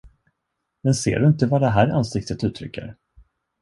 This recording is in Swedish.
Men ser du inte vad det här ansiktet uttrycker?